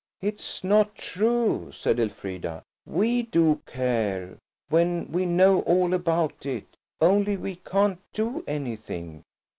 "It's not true," said Elfrida; "we do care–when we know about it. Only we can't do anything."